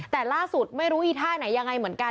แต่ล่าสุดไม่รู้อีท่าไหนยังไงเหมือนกัน